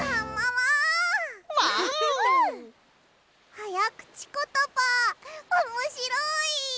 はやくちことばおもしろい！